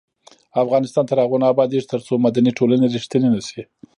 افغانستان تر هغو نه ابادیږي، ترڅو مدني ټولنې ریښتینې نشي.